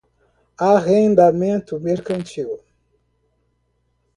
Arrendamento Mercantil